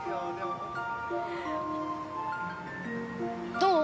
どう？